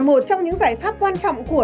một trong những giải pháp quan trọng của